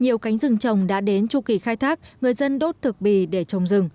nhiều cánh rừng trồng đã đến chu kỳ khai thác người dân đốt thực bì để trồng rừng